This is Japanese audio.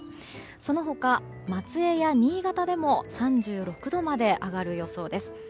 その他、松江や新潟でも３６度まで上がる予想です。